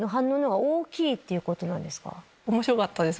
面白かったです